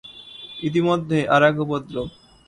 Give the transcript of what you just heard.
ইতিমধ্যে আর-এক উপদ্রব।